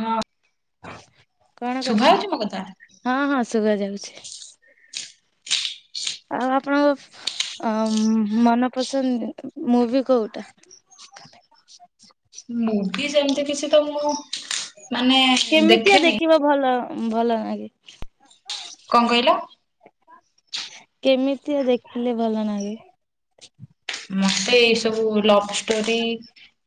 ହଁ କଣ ଶୁଭା କରଛ? ହଉଛି ମୋ କଥା? ହଁ ହଁ ଶୁଭା ଯାଉଛି ଆଉ ଆପଣଙ୍କ ଆ ମନପସନ୍ଦ ମୁଭି କୋଉଟା। ମୁଁ ବି ଯେମିତି କିଛି ତ ମୁଁ। ମାନେ କେମିତିଆ ଦେଖେନି ଦେଖିବ ଭଲ ଭଲ ନାଗେ। କଁ କହିଲ। କେମିତିଆ ଦେଖିଲେ ଭଲ ଲାଗେ। ମତେ ଏଇ ସବୁ ଲଭ ଷ୍ଟୋରି।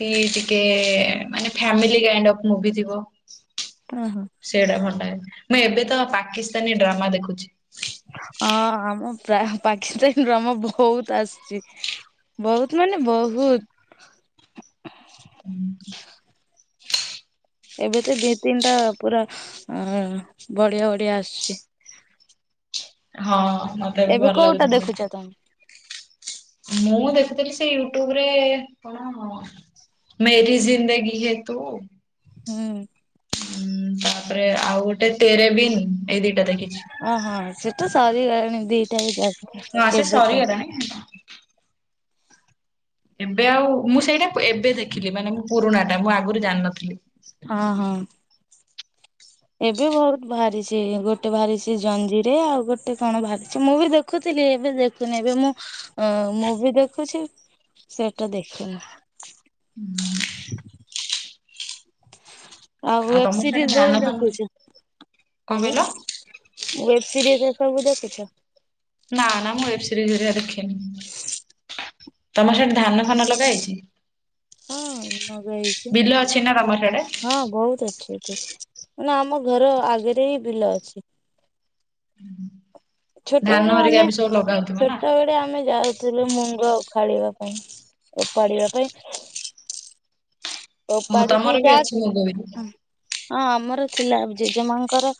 କି ଟିକେ ମାନେ ଫାମିଲାଇ କାଇଣ୍ଡ ଅଫ ମୁଭି ଥିବ। ଓହୋ। ସେଇଟା ଭଲ ଲାଗେ ମୁଁ ଏବେ ତ ପାକିସ୍ତାନୀ ଡ୍ରାମା ଦେଖୁଛି। ହଁ ଆମ ପ୍ରାୟ ପାକିସ୍ତାନ ଡ୍ରାମ ବହୁତ ଆସିଛି। ବହୁତ ମାନେ ବହୁତ। ଏବେ ତ ଦି ତିନିଟା ପୁରା ଅ ବଢିଆ ବଢିଆ ଆସୁଛି। ହଁ ମତେ ବି ଏବେ ଭଲ କୋଉଟା ଲାଗୁଛି। ଦେଖୁଛ ତମେ? ମୁଁ ଦେଖୁଥିଲି ସେ ୟୁଟ୍ୟୁବ ରେ କଣ। ମେରି ଜିନ୍ଦଗିହେ ତୁ। ହୁଁ। ହୁଁ ତାପରେ ଆଉ ଗୋଟେ ତେରେବିନ୍ ଏଇ ଦିଟା ଦେଖିଛି। ଓହୋ ସେଟା ସରିଗଲାଣି ଦିଟା ବି ଯାଉ ହଁ ସେ ସରିଗଲାଣି। ଏବେ ଆଉ ମୁଁ ସେଇଟା ଏବେ ଦେଖିଲି ମାନେ ମୁ ପୁରୁଣା ଟା ମୁଁ ଆଗରୁ ଜାଣିନଥିଲି। ହଁ ହଁ। ଏବେ ବହୁତ ବାହାରିଛି ଗୋଟେ ବାହାରିଛି ଜଞ୍ଜିରେ ଆଉ ଗୋଟେ କଣ ବାହାରିଛି ମୁଁ ବି ଦେଖୁ ଦେଖୁଥିଲି ଏବେ ଦେଖୁନି ଏବେ ମୁଁ ମୁଭି ଦେଖୁଛି ସେଟା ଦେଖିନି। ଆଉ ତମର ସେଆଡେ ୱେବସିରିଜ ଧାନ ବି ଫାନ ଦେଖୁଛି କଣ କହିଲ? ଆଜ୍ଞ। ୱେବ୍ ସିରିଜ୍ ଏ ସବୁ ଦେଖୁଛ। ନା ନା ମୁଁ ୱେବ୍ ସରିଜ ହେକା ଦେଖେନି ତମର ସେଠି ଧାନ ଧାନ ଲଗା ହେଇଛି ହଁ ଲଗାହେଇଛି ବିଲ ଅଛି ନା ତମର ସ୍ୟାଡେ। ହଁ ବହୁତ ଅଛି। ନାଁ ଆମ ଘର ଆଗରେ ହିଁ ବିଲ ଅଛି। ହୁଁ ହୁଁ। ଛୋଟବେଳୁ ଆମେ ନା ଛୋଟବେଳେ ଆମେ ଯାଉୁ। ଥିଲୁ ମୁଙ୍ଗ ଉଖାଳିବା ପାଇଁ ଓପାଡିବା ପାଇଁ। ଓହୋ ଓପାଡିକି ତମର ବି ଯା ଅଛି ମୁଗ ବିରି। ହଁ ଆମର ଥିଲା ଜେଜେମାଙ୍କର।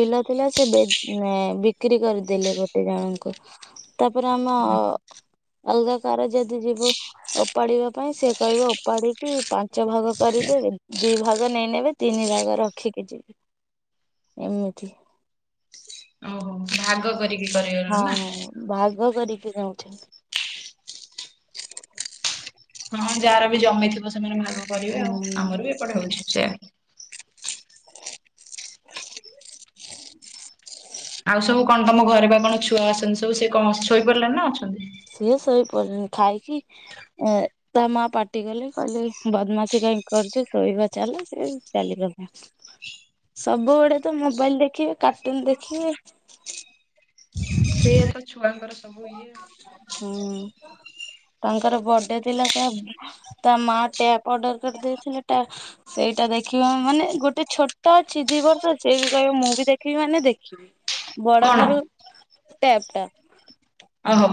ବିଲ ଥିଲା ସେ ବ ବିକ୍ରି କରିଦେଲେ ଗୋଟେ ଜଣଙ୍କୁ। ତାପରେ ଆମ। ଅଲଗା କାର ଯଦି ଯିବୁ ଓପାଡିବା ପାଇଁ ସେ କହିବ ଓପାଡିିକି ପାଞ୍ଚ ପାଞ୍ଚ ଭାଗ କରିଦେବେ ଦି ଭାଗ ନେଇନେବେ ତିନି ଭାଗ ରଖିକି ଯିବେ। ଏମିତି। ଓହୋ ଭାଗ କରିକି। କରିବାର ହଁ ନା। ହଁ ଭାଗ କରିକି ଯାଉଛନ୍ତି। ହଁ ଯାହାର ବି ଜମିଥିବ ସେମାନେ ଭାଗ କରିବେ ଆଉ ହୁଁ ଆମର ବି ଏପଟେ ହଉଛି ସେୟା। ଆଉ ସବୁ କଣ ତମ ଘରେ ବା କଣ ଛୁଆ ଅଛନ୍ତି ସବୁ ସେ କଣ ଶୋଇପଡିଲେଣି ନା ଅଛନ୍ତି। ସିଏ ଶୋଇପଡିଲେଣି ଖାଇକି ଏଁ ତା ମା ପାଟି କଲେ କହିଲେ ବଦମାସୀ କାହିଁକି କରୁଛୁ ଶୋଇବା ଚାଲ ସେ ଚାଲିଗଲେ। ସବୁବେଳେ ତ ମୋବାଇଲ୍ ଦେଖିବେ କାର୍ଟୁନ୍ ଦେଖିବେ। ସେଇଆ ତ ଛୁଆଙ୍କର ସବୁ ଇଏ। ହୁଁ ତାଙ୍କର ବଡେ ଥିଲା ତା। ତା ମା ଟ୍ୟାପ ଅର୍ଡର କରିଦେଇଥିଲେ ଟାପ୍ ସେଇଟା ଦେଖିବ ମାନେ ଗୋଟେ ଛୋଟ ଅଛି ଦି ବର୍ଷ ଅଛି ସେ ବି କହିବ ମୁଁ ବି ଦେଖିବି ମାନେ ଦେଖିବି। ବଡ କଣ ଠାରୁ ଟ୍ୟାପ ଟା। ଅହୋ।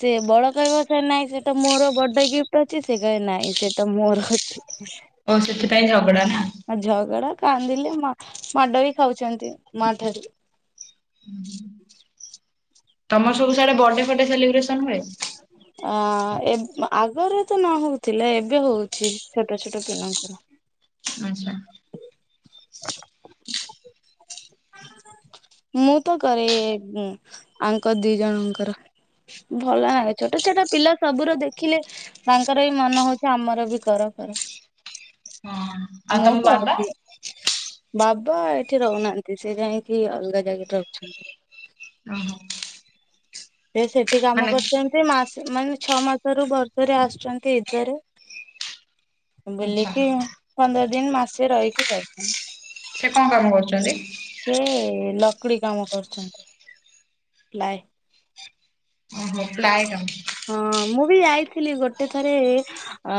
ସେ ବଡ କହିବ ନାହିଁ ସେଟା ମୋର ବଡେ ଗିଫ୍ଟ ଅଛି ସେ କହେ ନାହିଁ ସେଟା ମୋର ଅ ଠିକ୍ ଓହୋ ସେଥିପାଇଁ ଝଗଡା ନା? ଆଉ ଝଗଡା କାନ୍ଦିଲେ ମ ମାଡ ବି ଖାଉଛନ୍ତି ମା ଠାରୁ। ହୁଁ ହୁଁ। ତମ ସବୁ ସାଡେ ବର୍ଡେ ଫଡେ ସେଲିବ୍ରେସନ ହୁଏ? ଅ ଏବ ଆଗରୁ ତ ନହଉଥିଲେ ଏବେ ହଉଛି ଛୋଟ ଛୋଟ ପିଲାଙ୍କର। ଆଚ୍ଛା। [unintelligible] ମୁଁ ତ କରେ, ଆଙ୍କ ଦି ଜଣଙ୍କର ଭଲ ଲାଗେ। ଛୋଟ ଛୋଟ ପିଲା ସବୁର ଦେଖିଲେ ତାଙ୍କର ବି ମନ ହଉଛି ଆମର ବି କର କର। ହଁ ଆଉ ମୁଁ ତମ ବାବା କରିଦିଏ। ବାବା ଏଠି ରହୁନାହାନ୍ତି। ସେ ଯାଇକି ଅଲଗା ଜାଗାରେ ରହୁଛନ୍ତି। ଓହୋ। ସେ ସେଠି କାମ ମାନେ କରୁଛନ୍ତି। ମାସ ମାନେ ଛଅ ମାସରୁୁ ବର୍ଷରେ ଆସୁଛନ୍ତି ଇଦରେ। ଆଛା ବୁଲିକି। ପନ୍ଦର ଦିନ ମାସେ ରହିକି ଯାଉଛନ୍ତି। ସେ କଣ କାମ କରୁଛନ୍ତି? ସେ ଲକ୍ଡି କାମ କରୁଛନ୍ତି। ପ୍ଳାଏ। ଓହୋ ପ୍ଲାଏ କାମ। ହଁ ମୁଁ ବି ଯାଇଥିଲି। ଗୋଟେ ଥରେ ଅ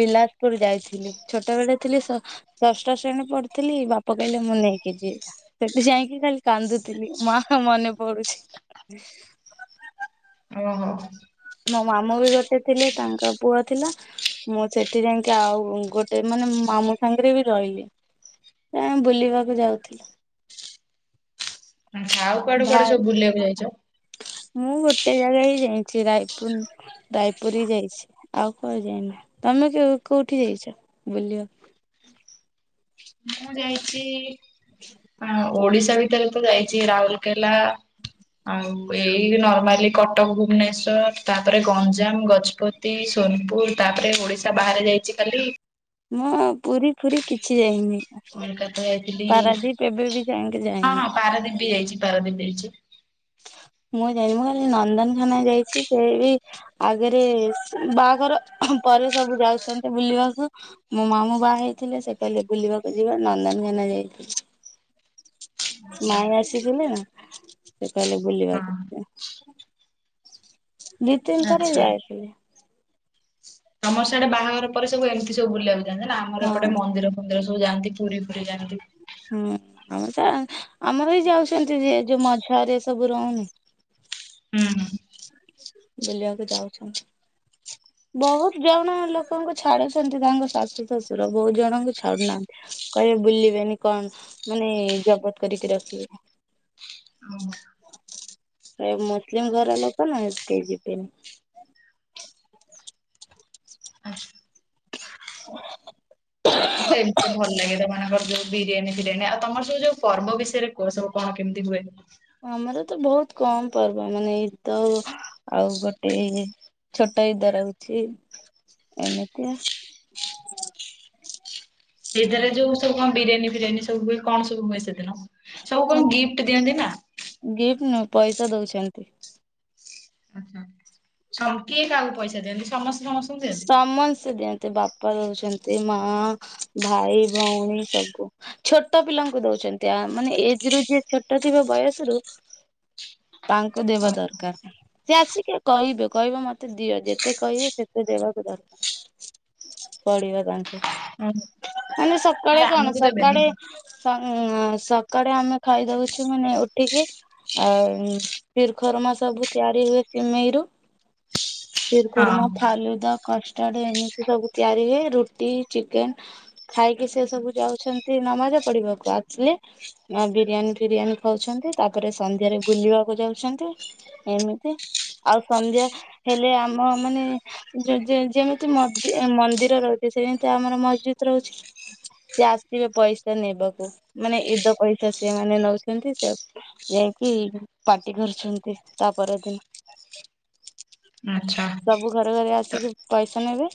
ବିଲାସପୁର ଯାଇଥିଲି। ଛୋଟବେଳେ ଥିଲି ସ ଷଷ୍ଠ ଶ୍ରେଣୀ ପଢୁଥିଲି, ବାପା କହିଲେ ମୁଁ ନେଇକି ଯିବି। ସେଠି ଯାଇକି ଖାଲି କାନ୍ଦୁଥିଲି। ମା ମନେ ପଡୁଛି। ଓହୋ। ମୋ ମାମୁ ବି ଗୋଟେ ଥିଲେ। ତାଙ୍କ ପୁଅ ଥିଲା। ମୁଁ ସେଠି ଯାଇକି ଆଉ ଗୋଟେ ମାନେ ମାମୁଁ ସାଙ୍ଗରେ ବି ରହିଲି। ଆ ବୁଲିବାକୁ ଯାଉଥିଲି। ଆଉ କୁଆଡେ କୁଆଡେ ଭାଇ ସବୁ ବୁଲିବାକୁ ଯାଇଛ? ମୁଁ ଗୋଟେ ଜାଗା ହିଁ ଯାଇଛି ରାଇପୁର। ରୟପୁରୀ ଯାଇଛି ଆଉ କୁଆଡେ ଯାଇନି। ତମେ କୋଉଠି ଯାଇଛ ବୁଲିବାକୁ? ମୁଁ ଓଡିଶା ଭିତରେ ତ ଯାଇଛି ରାହୁଲକେଲା ଆଉ ଏଇ ନର୍ମାଲ କଟକ, ଭୁବନେଶ୍ଵର ତାପରେ ଗଞ୍ଜାମ ଗଜପତ ସୋନପୁର ତାପରେ ଓଡିଶା ବାହାରେ ଯାଇଛି ଖାଲି ମୁଁ ପୁରୀ ଫୁରୀ କିଛି ଯାଇନି। କୋଲକାତା ଯାଇଥିଲି ପାରାଦୀପ ଏବେ ବି ଯାଇକି ଯାଇନି। ପାରଦୀପ ବି ଯାଇଛି ପାରଦୀପ ଯାଇଛି। ମୁଁ ଯାଇନି ମୁଁ କାଲି ନନ୍ଦନକାନନ ଯାଇଛି ସେ ବି ଆଗରେ ବାହାଘର ପରେ ସବୁ ଯାଉଛନ୍ତି ବୁଲିବାକୁ। ମୋ ମାମୁଁ ବାହା ହେଇଥିଲେ, ସେ କହିଲେ ବୁଲିବାକୁ ଯିବା ନନ୍ଦନ କାନନ ଯାଇଥିଲି। ମାଇଁ ଆସିଥିଲେ ସେ କହିଲେ ହଁ ବୁଲିବାକୁ। ଯିବା। ଦି ତିନି ଥରେ ଆଚ୍ଛା। ଯାଇଥିଲି। ତମର ସିଆଡେ ବାହାଘର ପରେ ସବୁ ଏମିତି ସବୁ ବୁଲିବାକୁୁ ଯାଆନ୍ତି। ଆମର ହଁ ଏପଟେ ମନ୍ଦିର ମନ୍ଦର ସବୁ ଯାଆନ୍ତି ପୁରୀ ପୁରୀ ଯାଆନ୍ତି। ହୁଁ ଆମର ଆମର ବି ଯାଉଛନ୍ତି ଯ ଯୋଉ ମଝ ରେ ସବୁ ରହୁନି ହୁଁ ହୁଁ। ବୁଲିବାକୁ ଯାଉଛନ୍। ବୋହୁତ୍ ଜଣ ଲୋକଙ୍କୁ ଛାଡୁଛନ୍ତି ତାଙ୍କ ଶାଶୁ ଶଶୁର ବୋହୁତ୍ ଜଣଙ୍କୁ ଛାଡୁନାହାନ୍ତି। କହିବେ ବୁଲିବେନି କଣ ମାନେ ଜବତ କରିକି ରଖିବେ। ହୁଁ ଏ ମୁସଲିମ ଘର ଲୋକ ନା ସେଥିପାଇଁ କେହି ଯିବେନି। ଆଚ୍ଛା। ମତେ ଏମିତିରେ ଭଲ ଲାଗେ [unintelligible] ଯୋଉ ବିରିୟାନୀ ଫିରିୟାନୀ ଆଉ ତମର ସବୁ ଯୋଉ ପର୍ବ ବିଷୟରେ କୁହ ସବୁ କଣ କେମିତି ହୁଏ? ଆମର ତ ବହୁତ କମ ପର୍ବ ମାନେ ଏଇତ ଆଉ ଆଉ ଗୋଟେ ଛୋଟ ଇଦ ରଉଛି ଏମିତିଆ ସେଦରେ ଯୋଉ ସବୁ କଣ ବିରିୟାନୀ ଫିରିୟାନୀ ସବୁ ହୁଏ କଣ ସବୁ ହୁଏ ସେଦିନ? ସବୁ କଣ ଗିଫ୍ଟ ଦିଅନ୍ତି ନା? ଗିଫ୍ଟ ନୁହଁ ପଇସା ଦଉଛନ୍ତି। ଉର୍ହୁ ଛକି କାହାକୁ ପଇସା ଦିଅନ୍ତି ସମସ୍ତେ ସମସ୍ତଙ୍କୁ ଦିଅନ୍ତି? ସମସ୍ତେ ଦିଅନ୍ତି ବାପା ଦୋଉଛନ୍ତି ମା ଭାଇ ଭଉଣୀ ସବୁ। ଛୋଟ ପିଲାଙ୍କୁ ଦଉଛନ୍ତି ଆ ମାନେ ଏଜ ରେ ଯିଏ ଛୋଟ ଥିବ ବୟସରୁ ତାଙ୍କ ଦେବା ଦରକାର ସେ ଆସିକି କହିବେ କହିବେ ମତେ ଦିଅ ଯେତେ କହିବେ ସେ ଦେବାକୁ ଦରକାର ପଡିବା ତାଙ୍କୁ ହଁ ମାନେ ସ ଆରେ ସକାଳେ କଣ ଆମକୁ ଦେବେନି ସକାଡେ ସଙ୍ଗ ସକାଡେ ଆମେ ଖାଇଦଉଛୁ ମାନେ ଉଠିକି ଆଉ ଶିରଖରମା ସବୁ ତିଆରି ହୁଏ ସମେଇରୁୁ। ଚିର ହଁ ଖୁର୍ମା ଇଏଦ କଷ୍ଟାଡ୍ ଏମିତି ସବୁ ତିଆରି ହୁଏ ରୁଟି ଚିକେନ ଖାଇକି ସେ ସବୁ ଯାଉଛନ୍ତି ନମାଜ ପଢିବାକୁ ଆଛିଲେ ନାଁ ବିରିୟାନୀ ଫିରିୟାନୀ ଖାଉଛନ୍ତି ତାପରେ ସନ୍ଧ୍ୟାରେ ବୁଲିବାକୁ ଯାଉଛନ୍ତି ଏମିତି ଆଉ ସନ୍ଧ୍ୟା ହେଲେ ଆମ ମାନେ ଯେ ଯେ ଯେମିତି ମନ୍ଦି ମନ୍ଦିର ରହୁଛି ସେମିତି ଆମର ମସ୍ଜିଦ ରହୁଛି। ସେ ଆସିବେ ପଇସା ନେବାକୁ ମାନେ ଇଦ ପଇସା ସିମାନେ ନଉଛନ୍ତି ସେ ଯାଇକି ପାାର୍ଟି କରୁଛନ୍ତି ତା ପରଦିନ। ଆଚ୍ଛା। ସବୁ ଘରେ ଘରେ ତ ଆସିକି ପଇସା ନେବେ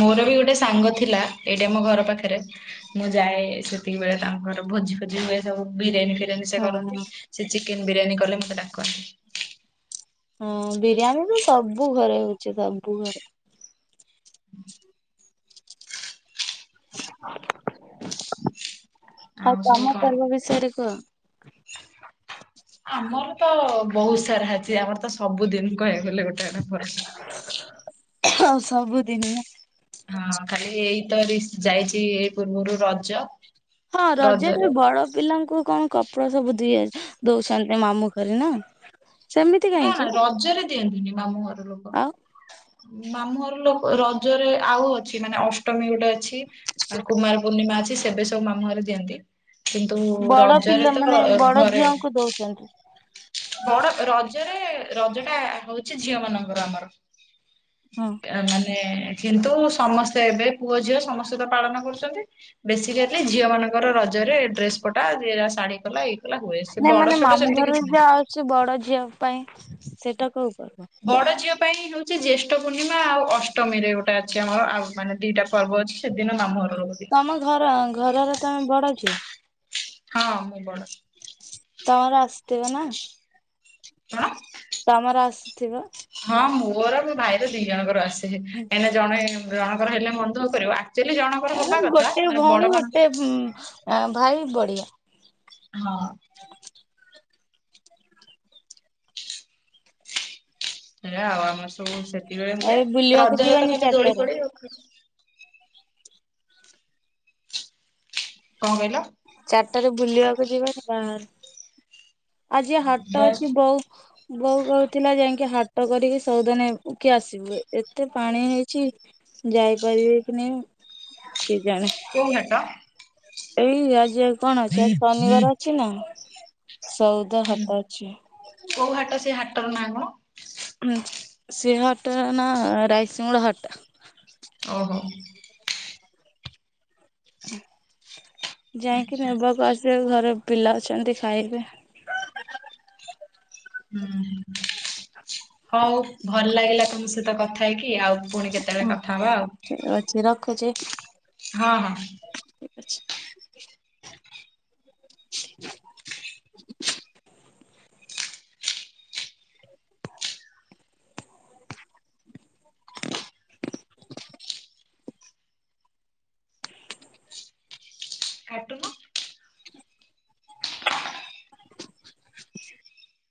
ମୋର ବି ଗୋଟେ ସାଙ୍ଗ ଥିଲା ଏଇଟି ଆମୋ ଘର ପାଖରେ ମୁଁ ଯାଏ ସେତିକି ବେଳେ ତାଙ୍କର ଭୋଜି ଫୋଜି ହୁଏ ସବୁ ବିରିୟାନୀ ଫି ବିରିୟାନୀ ସେ ହଁ କରନ୍ତି ହଁ ସେ ଚିକେନ ବିରିୟାନୀ କଲେ ମତେ ଡାକନ୍ତି। ହଁ ବିରିୟାନୀ ତ ସବୁ ଘରେ ହଉଛି ସବୁ ଘରେ। ଆଉ ସବୁ ତମ କଣ ପର୍ବ ବିଷୟରେ କୁହ? ଆମର ତ ଅ ବହୁତ ସାରା ଅଛି ଆମର ତ ସବୁଦିନ କହିବାକୁ ଗଲେ ଗୋ ସବୁଦିନ ହଁ ଖାଲି ଏଇ ତ ଡିସ ଯାଇଛି ଏଇ ପୂର୍ବରୁ ରଜ ହଁ ରଜରେ ବଡ ପିଲାଙ୍କୁ କଣ କପଡା ସବୁ ଦିଏ ଦଉଛନ୍ତି ମାମୁଁ ଘରେ ନା? ସେମିତି ନା ନା କାହିଁକି? ରଜରେ ଦିଅନ୍ତିନି ମାମୁଁ ଘର ଲୋକ। ଆଉ ମାମୁଁ ଘର ଲୋକ ରଜରେ ଆଉ ଅଛି ମାନେ ଅଷ୍ଟମୀ ଗୋଟେ ଅଛି ଆ କୁମାର ପୂର୍ଣ୍ଣିମା ଅଛି ସେବେ ସବୁ ମୁ ଘରେ ଦିଅନ୍ତି। କିନ୍ତୁ ରଜରେ ତ ଗ୍ର ଘରେ ଦିଅନ୍ତି। ବଡ ରଜରେ ରଜ ଟା ହଉଛି ଝିଅ ମାନଙ୍କର ଆମର। ହଁ ମାନେ କିନ୍ତୁ ସମସ୍ତେ ଏବେ ପୁଅ ଝିଅ ସମସ୍ତେ ତ ପାଳନ କରୁଛନ୍ତି। ବେଶୀ କାଲି ଝିଅ ମାନଙ୍କର ରଜରେ ଡ୍ରେସ ପଟା ଯିଏ ଶାଢୀ କଲା ଏଇ କଲା ହୁଏ ସେ ବଡ ଛୋଟ ସେମିତି କିଛି ନା ଛି ବଡ ଝିଅ ପାଇଁ ସେଟା କୋଉ ପର୍ବ? ବଡ ଝିଅ ପାଇଁ ହଉଛି ଜ୍ୟେଷ୍ଠ ପୂର୍ଣ୍ଣିମା ଆଉ ଅଷ୍ଟମୀ ରେ ଗୋଟେ ଅଛି ଆମ ଆଉ ମାନେ ଦିଟା ପର୍ବ ଅଛି ସେ ଦିନ ମାମୁଁ ଘର ଲୋକ ଦି ତମ ଘର ଘରର ତମେ ବଡ ଝିଅ? ହଁ ମୁଁ ବଡ। ତମର ଆସିଥିବ ନା? [unintelligible] ତମର ଆସିଥିବ? ହଁ ମୋର ମୋ ଭାଇର ଦି ଜଣଙ୍କର ଆସେ। ଏନା ଜଣେ ଜଣଙ୍କର ହେଲେ ମନ ଦୁଃଖ କରିବ ଆକ୍ଚୁଆଲି ଜଣଙ୍କର ହବା କଥା ଗୋଟେ ମାନେ ବଡ ଭଉଣୀ ମାନଙ୍କ ଗୋଟେ ଭାଇ ବଢିଆ। ହଁ ହେ ଆଉ ଆମର ସବୁ ସେତିବେଳେ ହୁହେ, ଏବେ ବୁଲିବାକୁ ରଜରେ ତ ଯିବାନି ଖାଲି ଦୋଳି ଚାରିଟାରେ ପଡେ ଆ [unintelligible] କଣ କହିଲ? ଚାରିଟାରେ ବୁଲିବାକୁ ଯିବାନି ବାହର। ଆଜି ହାଟ ଅଛି ବୋଉ ବୋଉ କଉ ଥିଲା ଯାଇକି ହାଟ କରିକି ସଉଦା ନେବ କି ଆସିବୁ। ଏତେ ପାଣି ହେଇଛି ଯାଇପାରିବେ କି ନାଇଁ କେଜାଣି? କୋଉ ହାଟ? ଏଇ ଆଜି ଆଉ କଣ ଅଛି ଆ ହୁଁ ଶନିବାର ଅଛି ନା ସଉଦା ହାଟ ଅଛି। କୋଉ ହାଟ ସେ ହାଟର ନାଁ କଣ? ସେ ହାଟ ର ନା ରାଇସିଙ୍ଗଡ଼ ହାଟ। ଓହୋ ଯାଇକି ଆଚ୍ଛା ନେବାକୁ ଆସିବେ ଘରେ ପିଲା ଅଛନ୍ତି ଖାଇବେ। ହୁଁ ହଉ ଭଲ ଲାଗିଲା ତମ ସହିତ କଥା ହେଇକି ଆଉ ପୁଣି କେତେ ହଁ ଠିକ ଅଛି ରଖୁଛି? ହଁ ହଁ ଠିକ ଅଛି। [unintelligible] [inaudible]